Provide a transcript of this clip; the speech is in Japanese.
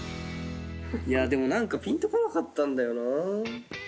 いやでも何かピンと来なかったんだよな。